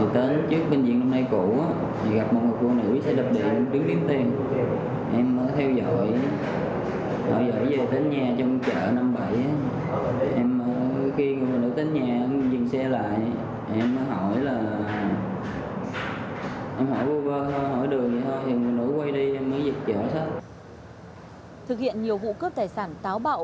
thực hiện nhiều vụ cướp tài sản táo bạo